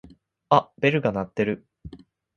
あっベルが鳴ってる。